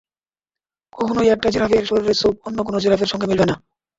কখনোই একটা জিরাফের শরীরের ছোপ অন্য কোনো জিরাফের সঙ্গে মিলবে না।